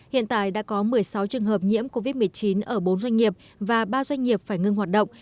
hiện tại đã có một mươi sáu trường hợp nhiễm covid một mươi chín ở bốn doanh nghiệp và ba doanh nghiệp phải ngưng hoạt động